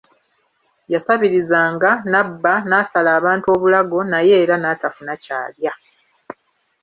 Yasabirizanga, n'abba, n'asala abantu obulago, naye era n'atafuna ky'alya.